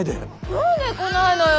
何で来ないのよ